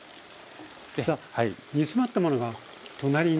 さあ煮詰まったものが隣にあります。